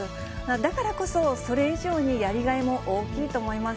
だからこそ、それ以上にやりがいも大きいと思います。